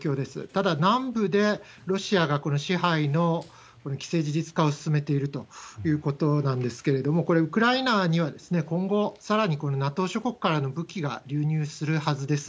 ただ、南部でロシアが支配の既成事実化を進めているということなんですけれども、これ、ウクライナには今後、さらにＮＡＴＯ諸国からの武器が流入するはずです。